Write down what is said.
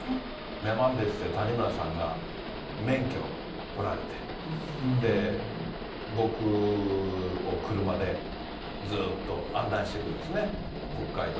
女満別で谷村さんが免許取られて、僕を車でずっと案内してくれるんですね、北海道。